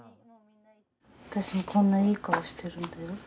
私もこんないい顔してるんだよ。